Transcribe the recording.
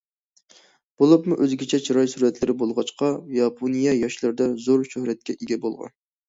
بولۇپمۇ ئۆزگىچە چىراي سۈرەتلىرى بولغاچقا، ياپونىيە ياشلىرىدا زور شۆھرەتكە ئىگە بولغان.